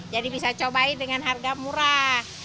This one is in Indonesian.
jadi bisa cobain dengan harga murah